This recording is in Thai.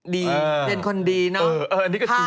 ดีเป็นคนดีเนาะ